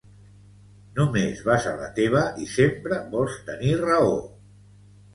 Només vas a la teva i sempre vols tenir raó